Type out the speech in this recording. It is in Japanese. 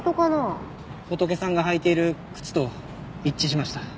ホトケさんが履いている靴と一致しました。